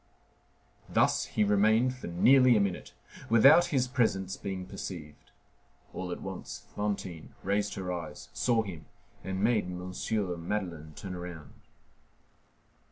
Thus he remained for nearly a minute, without his presence being perceived. All at once Fantine raised her eyes, saw him, and made M. Madeleine turn round.